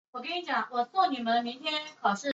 真三国广告。